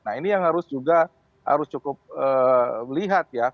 nah ini yang harus cukup melihat